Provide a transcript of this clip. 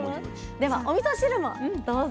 ではおみそ汁もどうぞ。